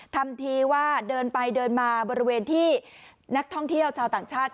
ทำทีว่าเดินไปเดินมาบริเวณที่นักท่องเที่ยวชาวต่างชาติ